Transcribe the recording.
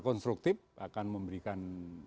konstruktif akan memberikan